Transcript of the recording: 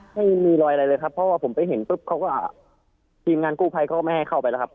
ไม่มีรอยอะไรเลยครับเพราะว่าผมไปเห็นปุ๊บเขาก็ทีมงานกู้ภัยเขาก็ไม่ให้เข้าไปแล้วครับ